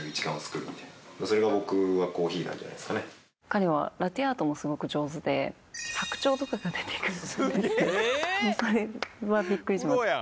彼はラテアートもすごく上手で。とかが出て来るんですよ